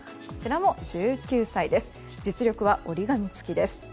こちらも１９歳です。